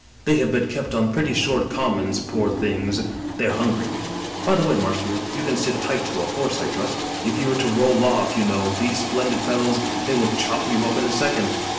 * They have been kept on pretty short commons, poor things! They are hungry. By the way, Marshfield, you can sit tight to a horse, I trust? If you were to roll off, you know, these splendid fellows — ^they would chop you up in a second.